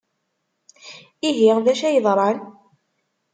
Ihi, d acu ay yeḍran?